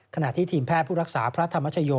ทีมแพทย์ผู้รักษาพระธรรมชโย